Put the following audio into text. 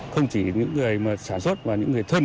không chỉ những người sản xuất mà những người thân